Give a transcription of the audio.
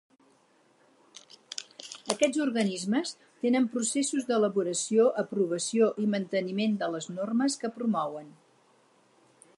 Aquests organismes tenen processos d'elaboració, aprovació i manteniment de les normes que promouen.